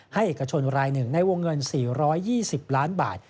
เอกชนรายหนึ่งในวงเงิน๔๒๐ล้านบาท